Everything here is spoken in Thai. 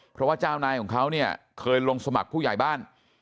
เพราะว่าเจ้านายของเขาเนี่ยเคยลงสมัครผู้ใหญ่บ้าน